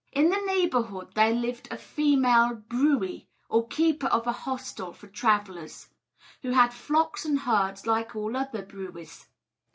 In the neighbourhood there lived a female brewy, or keeper of a hostel for travellers, who had flocks and herds like all other brewys.